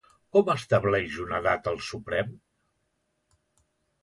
Com estableix una data el Suprem?